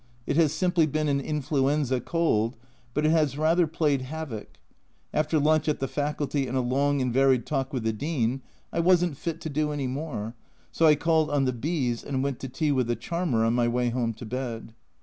It has simply been an influenza cold, but it has rather played havoc ; after lunch at the Faculty and a long and varied talk with the Dean, I wasn't fit to do any more, so I called on the B s and went to tea with the Charmer on my way home to bed.